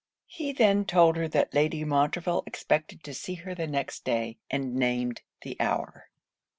He then told her that Lady Montreville expected to see her the next day; and named the hour.